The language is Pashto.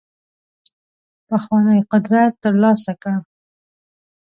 پخوانی قدرت ترلاسه کړ.